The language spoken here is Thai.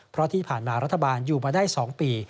เพราะที่ผ่านมารัฐบาลอยู่มาได้๒ปี